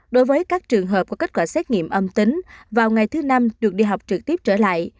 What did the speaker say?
đối với các trường hợp có kết quả xét nghiệm âm tính vào ngày thứ năm được đi học trực tiếp trở lại